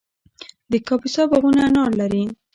د کاپیسا باغونه انار لري.